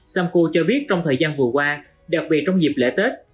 samco cho biết trong thời gian vừa qua đặc biệt trong dịp lễ tết